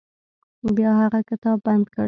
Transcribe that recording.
بیا هغه کتاب بند کړ.